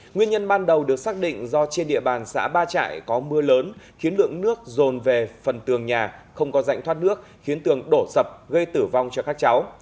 nguyên nhân ban đầu được xác định do trên địa bàn xã ba trại có mưa lớn khiến lượng nước rồn về phần tường nhà không có rãnh thoát nước khiến tường đổ sập gây tử vong cho các cháu